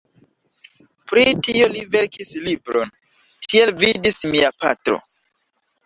Pri tio li verkis libron "Tiel vidis mia patro".